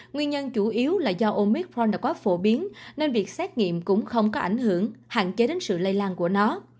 nguyên nhân chủ yếu là do omic fron đã quá phổ biến nên việc xét nghiệm cũng không có ảnh hưởng hạn chế đến sự lây lan của nó